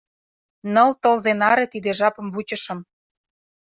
Ныл тылзе наре тиде жапым вучышым!